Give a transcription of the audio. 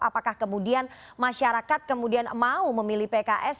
apakah kemudian masyarakat kemudian mau memilih pks